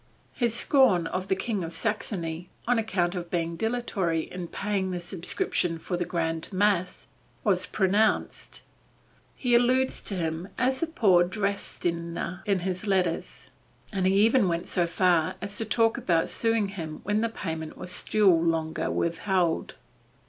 His scorn of the King of Saxony, on account of being dilatory in paying the subscription for the Grand Mass, was pronounced. He alludes to him as "the poor Dresdener" in his letters, and he even went so far as to talk about suing him when the payment was still longer withheld.